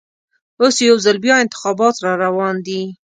اوس یوځل بیا انتخابات راروان دي.